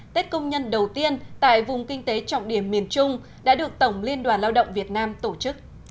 tết công nhân đầu tiên tại vùng kinh tế trọng điểm miền trung đã được tổng liên đoàn lao động việt nam tổ chức